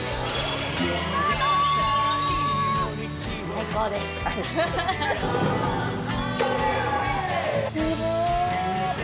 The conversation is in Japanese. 最高です。